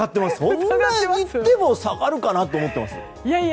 そんなに下がるかなと思ってます。